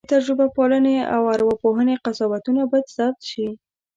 د تجربه پالنې او ارواپوهنې قضاوتونه باید ثبت شي.